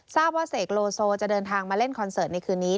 ทราบว่าเสกโลโซจะเดินทางมาเล่นคอนเสิร์ตในคืนนี้